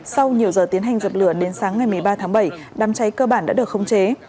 sau nhiều giờ tiến hành dập lửa đến sáng ngày một mươi ba tháng bảy đám cháy cơ bản đã được khống chế